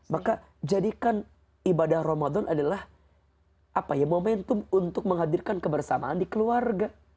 maka jadikan ibadah ramadan adalah momentum untuk menghadirkan kebersamaan di keluarga